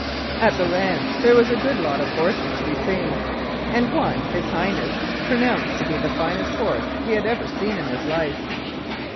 At the ranch there was a good lot of horses to be seen, and one His Highness pronounced to be the finest horse 'he had ever seen in his life.